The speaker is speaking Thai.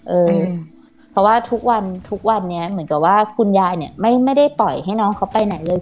เออเพราะว่าทุกวันทุกวันนี้เหมือนกับว่าคุณยายเนี่ยไม่ได้ปล่อยให้น้องเขาไปไหนเลย